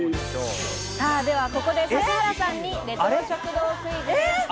ではここで指原さんにレトロ食堂クイズです。